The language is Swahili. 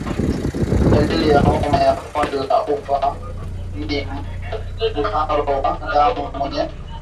Dalili ya homa ya bonde la ufa ni mharo wa damu wenye harufu mbaya